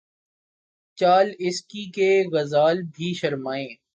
چال اس کی کہ، غزال بھی شرمائیں